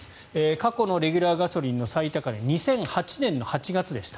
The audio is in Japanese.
過去のレギュラーガソリンの最高値２００８年の８月でした。